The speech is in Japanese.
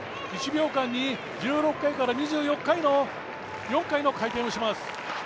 １秒間に１６回から２４回の回転をします。